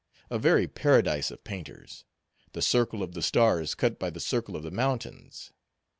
A very paradise of painters. The circle of the stars cut by the circle of the mountains.